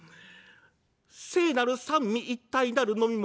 「聖なる三位一体なる飲み物